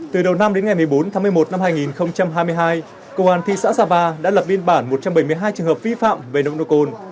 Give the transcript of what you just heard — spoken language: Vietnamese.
từ đầu năm đến ngày một mươi bốn tháng một mươi một năm hai nghìn hai mươi hai cộng hòa thị xã xà và đã lập biên bản một trăm bảy mươi hai trường hợp vi phạm về nồng độ cồn